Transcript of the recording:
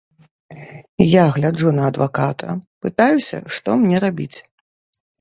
Я гляджу на адваката, пытаюся, што мне рабіць?